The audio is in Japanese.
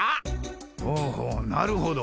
ほうほうなるほど。